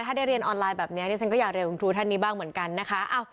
ถ้าได้เรียนออนไลน์แบบนี้ดิฉันก็อยากเรียนคุณครูท่านนี้บ้างเหมือนกันนะคะ